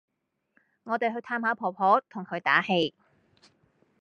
我哋去探下婆婆同佢打氣